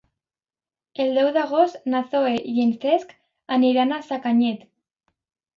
El deu d'agost na Zoè i en Cesc aniran a Sacanyet.